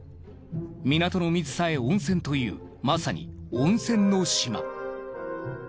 港の水さえ温泉というまさに温泉の島。